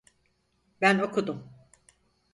Ben okudum.